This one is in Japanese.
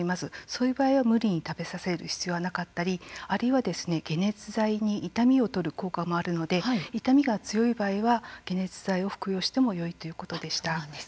そういう場合は、無理に食べさせる必要はなかったりあるいは解熱剤に痛みを取る効果もあるので痛みが強い場合は解熱剤を服用してもよいということでした。